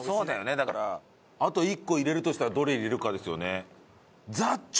だからあと１個入れるとしたらどれ入れるかですよね？